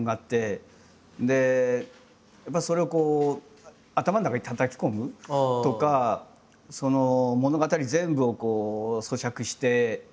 やっぱそれをこう頭の中にたたき込むとか物語全部を咀嚼して。